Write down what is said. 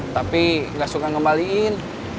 tapi gak suka ngembalikan